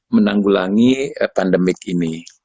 menanggulangi pandemik ini